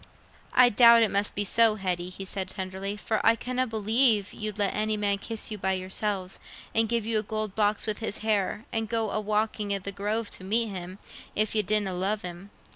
"I doubt it must be so, Hetty," he said, tenderly; "for I canna believe you'd let any man kiss you by yourselves, and give you a gold box with his hair, and go a walking i' the Grove to meet him, if you didna love him.